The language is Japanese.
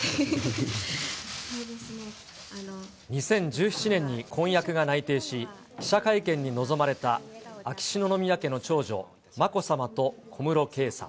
２０１７年に婚約が内定し、記者会見に臨まれた、秋篠宮家の長女、まこさまと小室圭さん。